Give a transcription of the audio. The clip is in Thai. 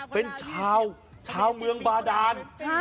เป็นชาวชาวเมืองบาดาน